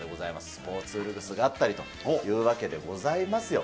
スポーツうるぐすがあったりというわけでございますよ。